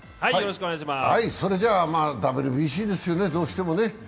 ＷＢＣですよね、どうしてもね。